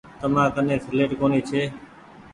تمآ ڪني سيليٽ ڪونيٚ ڇي۔